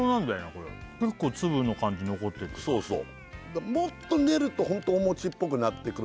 これ結構粒の感じ残ってるそうそうもっと練るとホントお餅っぽくなってくる